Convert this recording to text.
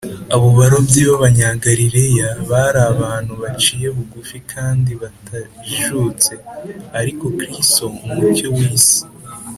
abo barobyi b’abanyagalileya bari abantu baciye bugufi kandi batajijutse, ariko kristo, umucyo w’isi,